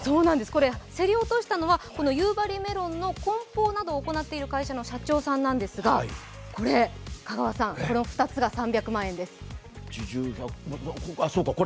これ、競り落としたのは夕張メロンの梱包などを行っている社長さんなんですがこの２つが３００万円です。